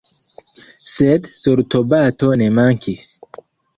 Sed sortobato ne mankis.